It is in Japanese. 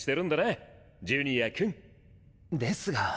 ですが。